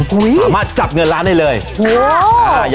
สามารถจับเงินล้านได้เลย